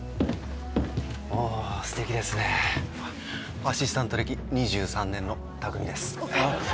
おお素敵ですねアシスタント歴２３年の巧です